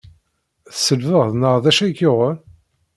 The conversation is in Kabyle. Tselbed neɣ d acu ay k-yuɣen?